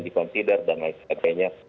di consider dan lain sebagainya